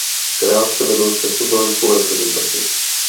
Krátce vedl československou reprezentaci.